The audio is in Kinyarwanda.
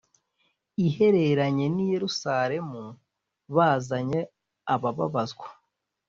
ihereranye n i Yerusalemu bazanye abababazwa